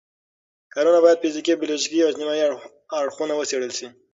کانونه باید فزیکي، بیولوژیکي او اجتماعي اړخونه وڅېړل شي.